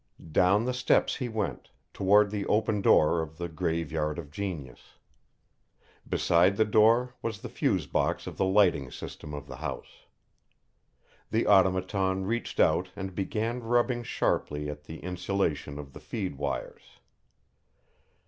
Down the steps he went, toward the open door of the Graveyard of Genius. Beside the door was the fuse box of the lighting system of the house. The Automaton reached out and began rubbing sharply at the insulation of the feed wires.